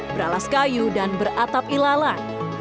beralas kayu dan beratap ilalan